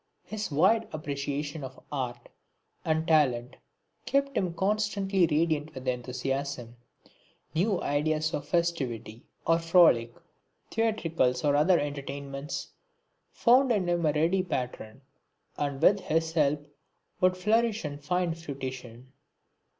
His wide appreciation of art and talent kept him constantly radiant with enthusiasm. New ideas of festivity or frolic, theatricals or other entertainments, found in him a ready patron, and with his help would flourish and find fruition.